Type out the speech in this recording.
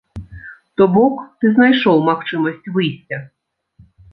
То бок ты знайшоў магчымасць выйсця.